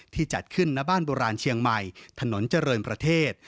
จัดขึ้นณบ้านโบราณเชียงใหม่ถนนเจริญประเทศ